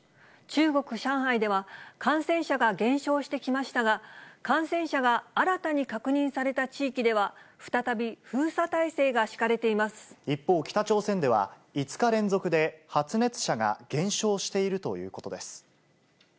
中国・上海では、感染者が減少してきましたが、感染者が新たに確認された地域では、一方、北朝鮮では５日連続で、発熱者が減少しているということです。